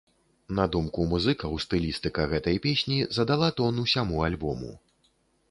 На думку музыкаў, стылістыка гэтай песні задала тон усяму альбому.